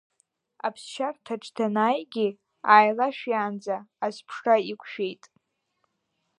Аԥсшьарҭаҿ данааигьы, ааилашәиаанӡа азԥшра иқәшәеит.